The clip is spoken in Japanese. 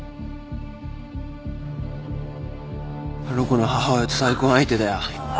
あの子の母親と再婚相手だよ。